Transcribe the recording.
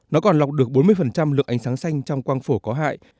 nó còn lọc được bốn mươi lượng ánh sáng xanh trong quang phổ có hại